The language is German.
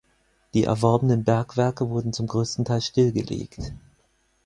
Die erworbenen Bergwerke wurden zum größten Teil stillgelegt.